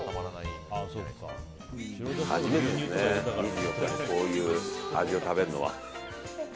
初めてですね、２４日にこういう味を食べるのは。